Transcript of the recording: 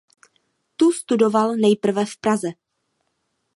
Tu studoval nejprve v Praze.